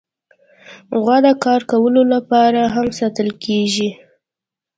غوا د کار کولو لپاره هم ساتل کېږي.